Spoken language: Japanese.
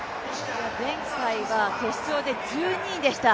前回は決勝で１２位でした。